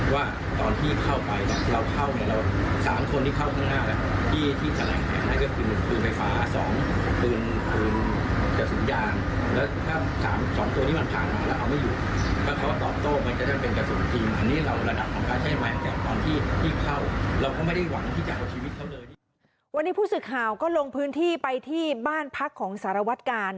วันนี้ผู้สื่อข่าวก็ลงพื้นที่ไปที่บ้านพักของสารวัตกาล